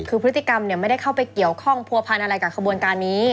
คือพฤติกรรมไม่ได้เข้าไปเกี่ยวข้องผัวพันธ์อะไรกับขบวนการนี้